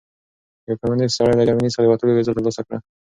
یو کمونیست سړي له جرمني څخه د وتلو ویزه ترلاسه کړه.